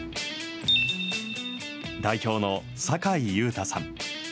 代表の酒井優太さん。